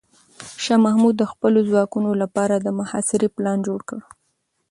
شاه محمود د خپلو ځواکونو لپاره د محاصرې پلان جوړ کړ.